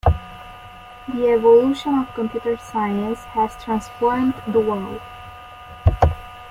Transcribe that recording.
The evolution of computer science has transformed the world.